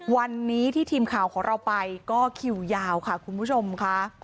วันนี้ที่ทีมข่าวของเราไปก็คิวยาวค่ะคุณผู้ชมค่ะ